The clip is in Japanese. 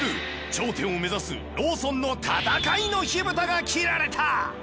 頂点を目指すローソンの戦いの火ぶたが切られた！